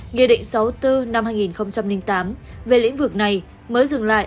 nghị định sáu mươi bốn năm hai nghìn tám về lĩnh vực này mới dừng lại